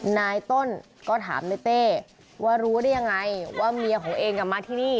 นายต้นก็ถามในเต้ว่ารู้ได้ยังไงว่าเมียของเองกลับมาที่นี่